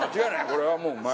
これはもううまい。